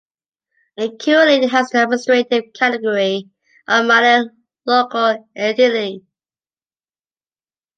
It currently has the administrative category of Minor Local Entity.